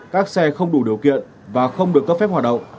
các xe không đủ điều kiện và không được cấp phép hoạt động